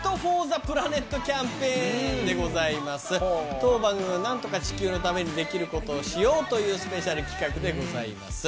当番組も何とか地球のためにできることをしようというスペシャル企画でございます。